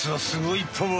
すごい。